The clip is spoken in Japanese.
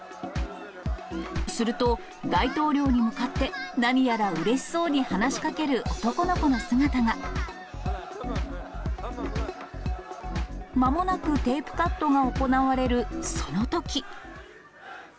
すると、大統領に向かって、何やらうれしそうに話しかける男の子の姿が。まもなくテープカットが行われるそのとき。